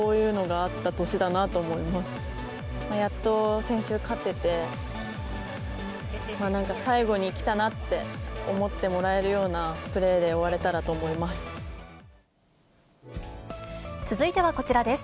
やっと先週勝てて、なんか、最後にきたなって思ってもらえるようなプレーで終われたらと思い続いてはこちらです。